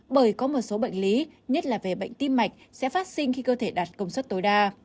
bởi có một số bệnh lý nhất là về bệnh tim mạch sẽ phát sinh khi cơ thể đạt công suất tối đa